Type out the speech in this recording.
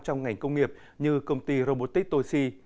trong ngành công nghiệp như công ty robotik toysi